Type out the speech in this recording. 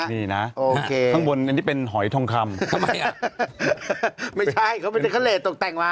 นี่นะข้างบนอันนี้เป็นหอยทองคำไม่ใช่เขาเป็นในเข้าเลสตกแต่งมา